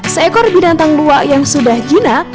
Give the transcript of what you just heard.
seekor binatang dua yang sudah jinak